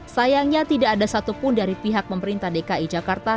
sayangnya tidak ada satupun dari pihak pemerintah dki jakarta